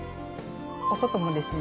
お外もですね